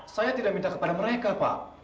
saya tidak minta kepada mereka pak